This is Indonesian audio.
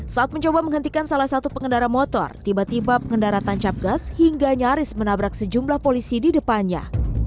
saat mencoba menghentikan salah satu pengendara motor tiba tiba pengendara tancap gas hingga nyaris menabrak sejumlah polisi di depannya